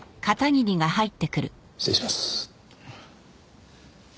失礼します。